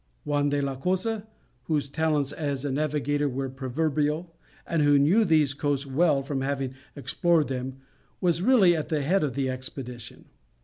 Juan de la Cosa, whose talents as a navigator were proverbial, and who knew these coasts well from having explored them, was really at the head of this expedition.